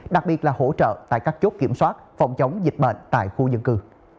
đặc biệt là hỗ trợ tại các chốt kiểm soát phòng chống dịch bệnh tại khu dân cư